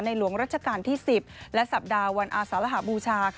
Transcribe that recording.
หลวงรัชกาลที่๑๐และสัปดาห์วันอาสารหบูชา